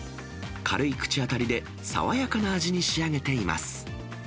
軽い口当たりで、爽やかな味に仕上げています。